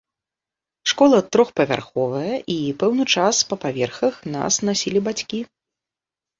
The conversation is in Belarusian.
Школа трохпавярховая, і пэўны час па паверхах нас насілі бацькі.